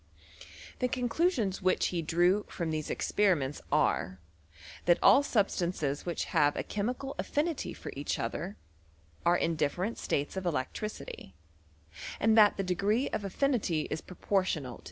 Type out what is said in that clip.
The conclusions which he drew from these expe riments are, that all substances which have a che mical affinity for each other, are in different states of electricity, and that the degree of affinity is pro portional to.